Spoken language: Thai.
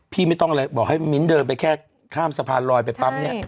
ไม่ต้องอะไรบอกให้มิ้นเดินไปแค่ข้ามสะพานลอยไปปั๊บเนี่ย